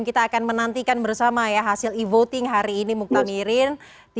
kita akan menantikan bersama ya hasil e voting hari ini muktamirin